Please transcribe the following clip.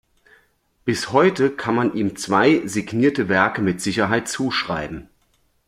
Bis heute kann man ihm zwei signierte Werke mit Sicherheit zuschreiben.